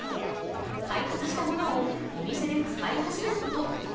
開発したものをお店で使い始めること。